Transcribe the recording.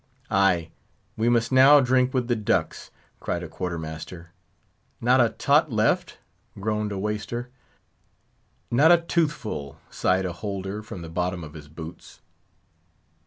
"Ay, we must now drink with the ducks!" cried a Quarter master. "Not a tot left?" groaned a Waister. "Not a toothful!" sighed a Holder, from the bottom of his boots.